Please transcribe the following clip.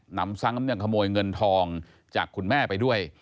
นำซ้ำยังขโมยเงินทองจากคุณแม่ไปด้วย